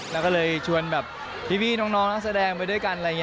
แล้วก็เลยชวนแบบพี่น้องนักแสดงไปด้วยกันอะไรอย่างนี้